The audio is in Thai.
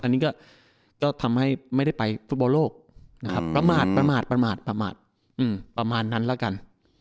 อันนี้ก็ทำให้ไม่ได้ไปฟุตบอลโลกประหมาดประมาณนั้นล่ะกัน